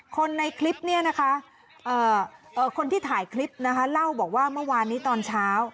คนในคลิปเนี่ยนะคะคนที่ถ่ายคลิปนะคะเล่าบอกว่าเมื่อวานนี้ตอนเช้า